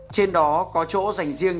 trên đó có chỗ dành riêng